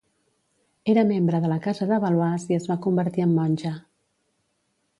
Era membre de la Casa de Valois i es va convertir en monja.